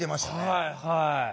はいはい。